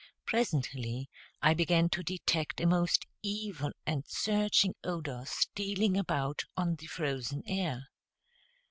Presently I began to detect a most evil and searching odor stealing about on the frozen air.